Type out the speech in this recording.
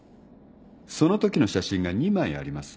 そのときの写真が２枚あります。